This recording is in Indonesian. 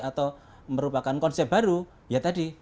atau merupakan konsep baru ya tadi